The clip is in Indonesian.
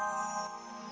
aku pasti kembali lagi